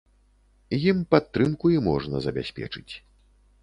Ім падтрымку і можна забяспечыць.